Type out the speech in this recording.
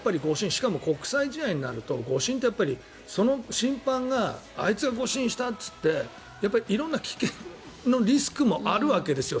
しかも国際試合になると誤審ってその審判があいつが誤審したといって色んな危険のリスクもあるわけですよ。